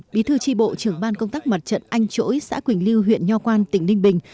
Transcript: bí thư tri bộ trưởng ban công tác mặt trận anh chỗi xã quỳnh lưu huyện nho quan tỉnh ninh bình